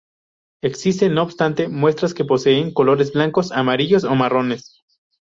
Existen, no obstante, muestras que poseen colores blancos, amarillos o marrones.